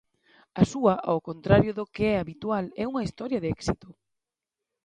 A súa, ao contrario do que é habitual, é unha historia de éxito.